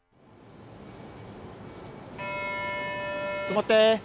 とまって。